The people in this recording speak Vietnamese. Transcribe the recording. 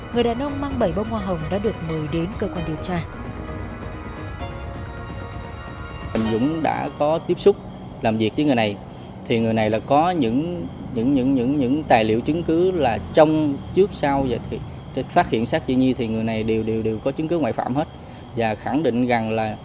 người đàn ông mang bảy bông hoa hồng đã được mời đến cơ quan điều tra